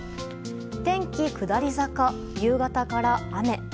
天気下り坂、夕方から雨。